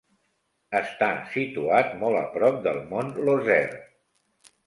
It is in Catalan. Està situat molt a prop del mont Lozère.